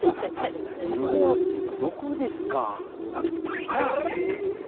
今日のここはどこですか？